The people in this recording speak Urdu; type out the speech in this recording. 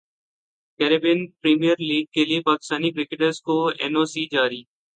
کیریبیئن پریمیئر لیگ کیلئے پاکستانی کرکٹرز کو این او سی جاری